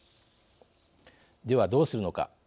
ではどうするのか。